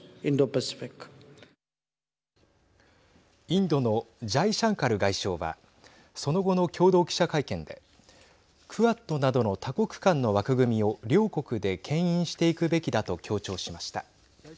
インドのジャイシャンカル外相はその後の共同記者会見でクアッドなどの多国間の枠組みを両国で、けん引していくべきだと強調しました。